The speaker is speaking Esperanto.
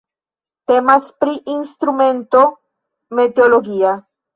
Temas pri instrumento meteologia.